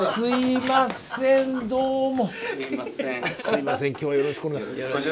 すいません今日はよろしくお願いします。